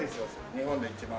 日本で一番。